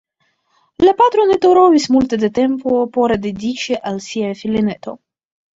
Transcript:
La patro ne trovis multe da tempo por dediĉi al sia filineto.